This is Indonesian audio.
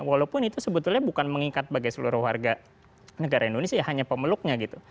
walaupun itu sebetulnya bukan mengikat bagi seluruh warga negara indonesia ya hanya pemeluknya gitu